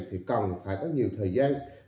thì cần phải có nhiều thời gian